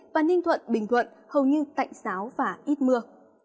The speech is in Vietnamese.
và ninh thuận bình thuận hầu như tạnh giáo và ít mưa